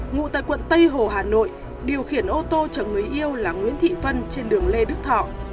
ngụ tại quận tây hồ hà nội điều khiển ô tô chở người yêu là nguyễn thị vân trên đường lê đức thọ